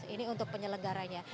ini untuk penyelenggaranya